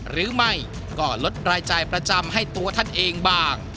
หรือไม่ก็ลดรายจ่ายประจำให้ตัวท่านเองบ้าง